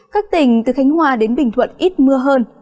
các tỉnh từ khánh hòa đến bình thuận ít mưa hơn